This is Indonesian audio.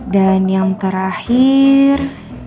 dan yang terakhir